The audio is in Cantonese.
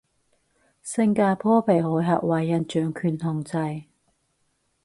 星加坡被海峽華人掌權控制